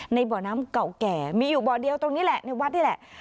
บ่อน้ำเก่าแก่มีอยู่บ่อเดียวตรงนี้แหละในวัดนี่แหละ